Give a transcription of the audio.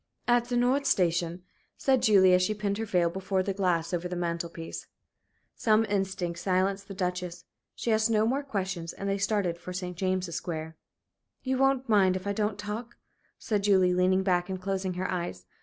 "At the Nord Station," said Julie, as she pinned her veil before the glass over the mantel piece. Some instinct silenced the Duchess. She asked no more questions, and they started for St. James's Square. "You won't mind if I don't talk?" said Julie, leaning back and closing her eyes.